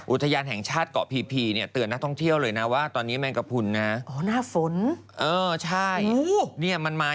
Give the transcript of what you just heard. อุทยานแห่งชาติเตือนนักท่องเที่ยวเลยนะว่าแมงกะพุนฟ้า